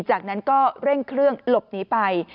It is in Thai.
จากนั้นก็เร่งเครื่องหลบหนีไป